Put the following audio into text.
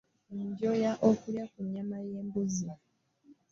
Njoya okulya ku nnyama y'embuzi.